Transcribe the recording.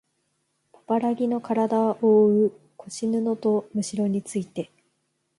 パパラギのからだをおおう腰布とむしろについて